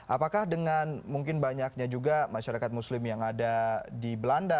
apakah dengan mungkin banyaknya juga masyarakat muslim yang ada di belanda